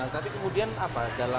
tapi kemudian apa